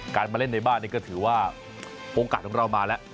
มาเล่นในบ้านนี่ก็ถือว่าโอกาสของเรามาแล้ว